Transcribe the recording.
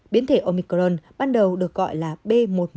biến thể omicron ban đầu được gọi là b một một năm trăm hai mươi chín